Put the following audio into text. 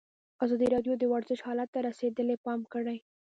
ازادي راډیو د ورزش حالت ته رسېدلي پام کړی.